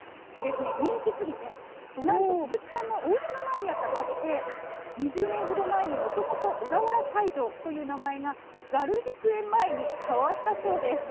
人気すぎて、なんと鈴木さんのおうちの前にあったバス停、２０年ほど前にもともと小田原斎場という名前が、ざる菊園前に変わったそうです。